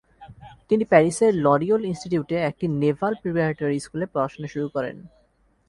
তিনি প্যারিসের লরিওল ইনস্টিটিউটে একটি নেভাল প্রিপারেটরি স্কুলে পড়াশুনা শুরু করেন।